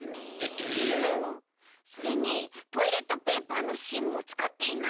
それにトイレットペーパーのしんもつかっていない！